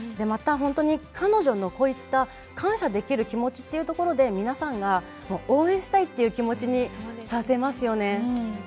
また、本当に彼女のこういった感謝できる気持ちというところで皆さんが応援したいという気持ちにさせますよね。